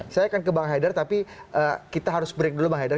saya akan ke bang haidar tapi kita harus break dulu bang haidar